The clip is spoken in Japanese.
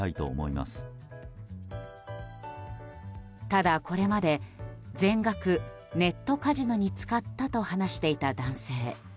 ただ、これまで全額ネットカジノに使ったと話していた男性。